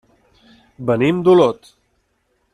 Venim d'Olot.